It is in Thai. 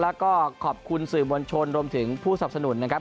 แล้วก็ขอบคุณสื่อมวลชนรวมถึงผู้สับสนุนนะครับ